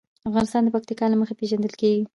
افغانستان د پکتیکا له مخې پېژندل کېږي.